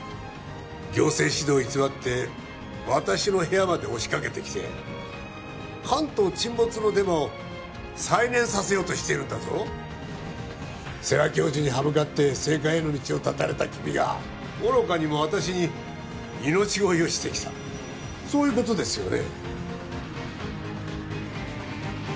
行政指導を偽って私の部屋まで押しかけてきて関東沈没のデマを再燃させようとしているんだぞ世良教授に歯向かって政界への道を断たれた君が愚かにも私に命乞いをしてきたそういうことですよね？